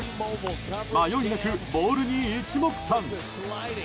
迷いなくボールに一目散！